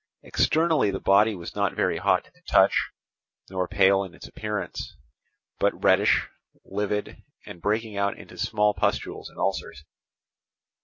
Externally the body was not very hot to the touch, nor pale in its appearance, but reddish, livid, and breaking out into small pustules and ulcers.